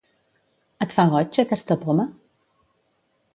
Et fa goig, aquesta poma?